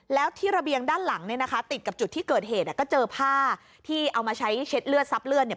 แล้วที่ระเบียงด้านหลังเนี่ยนะคะติดกับจุดที่เกิดเหตุอ่ะก็เจอผ้าที่เอามาใช้เช็ดเลือดซับเลือดเนี่ย